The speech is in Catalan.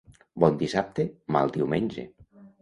Bon dissabte, mal diumenge.